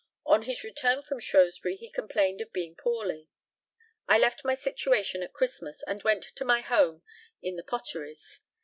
On his return from Shrewsbury he complained of being poorly. I left my situation at Christmas, and went to my home in the Potteries.